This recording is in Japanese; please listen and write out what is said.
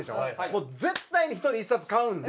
もう絶対に１人１冊買うんで。